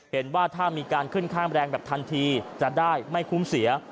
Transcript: เห็นว่าถ้ามีการขึ้นค่าแรงแบบทันทีจะได้ไม่คุ้มเสีย